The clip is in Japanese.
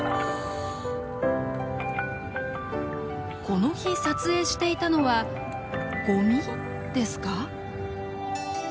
この日撮影していたのはゴミですか？